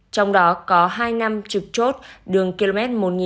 trong đó có hai năm trực chốt đường km một nghìn sáu trăm tám mươi hai ba trăm linh